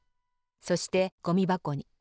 そしてゴミばこに。